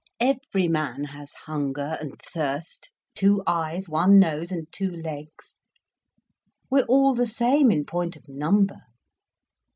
Every man has hunger and thirst, two eyes, one nose and two legs. We're all the same in point of number.